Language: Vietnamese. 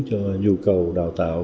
cho nhu cầu đào tạo